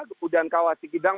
kemudian kawasan sikidang